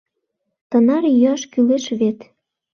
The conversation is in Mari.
— Тынар йӱаш кӱлеш вет.